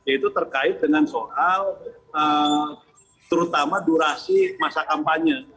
itu terkait dengan soal terutama durasi masa kampanye